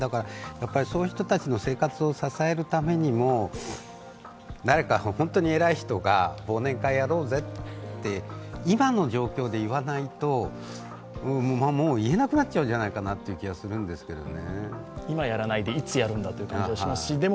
そういう人たちの生活を支えるためにも誰か偉い人が忘年会やろうぜって、今の状況で言わないと、もう言えなくなっちゃうんじゃないかなという気がするんですよね。